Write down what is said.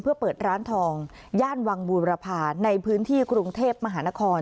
เพื่อเปิดร้านทองย่านวังบูรพาในพื้นที่กรุงเทพมหานคร